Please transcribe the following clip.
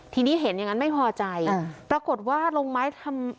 ทีนี้เห็นอย่างนั้นไม่พอใจปรากฏว่าลงไม้ทำ